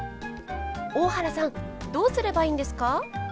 大原さんどうすればいいんですか？